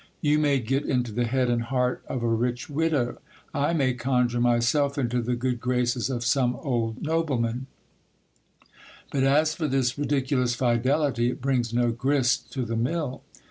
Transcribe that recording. You may get into the head and heart of a rich widow ; I may conjure myself into the good graces of some old nobleman : but as for this ridiculous fidelity, it brings no grist to the mill.